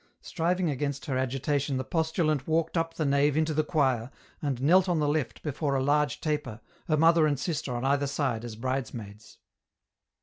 Striving against her agitation the postulant walked up the nave into the choir, and knelt on the left before a large taper, her mother and sister on either side as bridesmaids.